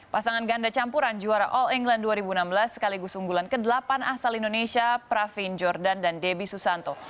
pasangan ganda campuran juara all england dua ribu enam belas sekaligus unggulan ke delapan asal indonesia pravin jordan dan debbie susanto